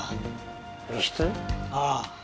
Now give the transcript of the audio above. ああ。